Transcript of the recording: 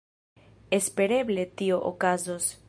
Espereble tio okazos.